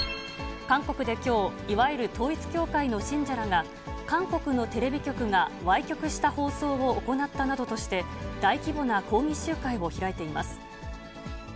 韓国できょう、いわゆる統一教会の信者らが、韓国のテレビ局がわい曲した放送を行ったなどとして、大規模な抗議集会を開いています。